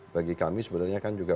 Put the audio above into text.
bagi kami sebenarnya kan juga